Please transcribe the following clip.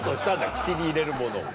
口に入れるものを。